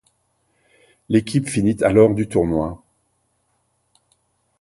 L'équipe finit alors du tournoi.